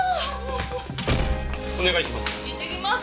お願いします。